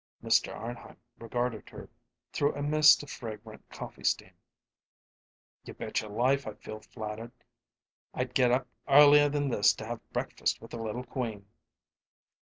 Mr. Arnheim regarded her through a mist of fragrant coffee steam. "You betcher life I feel flattered. I'd get up earlier than this to have breakfast with a little queen."